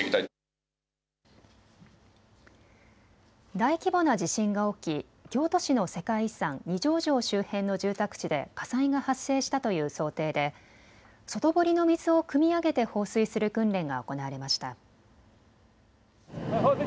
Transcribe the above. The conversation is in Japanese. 大規模な地震が起き京都市の世界遺産、二条城周辺の住宅地で火災が発生したという想定で外堀の水をくみ上げて放水する訓練が行われました。